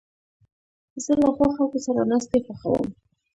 زه له ښو خلکو سره ناستې خوښوم.